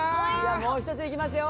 もう１つ行きますよ。